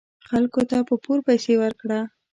خلکو ته په پور پیسې ورکړه .